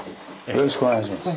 よろしくお願いします。